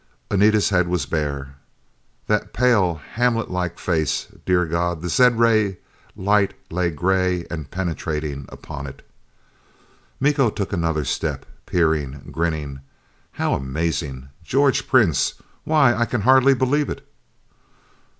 Anita's head was bare. That pale, Hamlet like face. Dear God, the zed ray light lay gray and penetrating upon it! Miko took another step. Peering. Grinning. "How amazing, George Prince! Why, I can hardly believe it!"